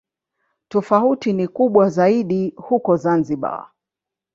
Tofauti ni kubwa zaidi huko Zanzibar.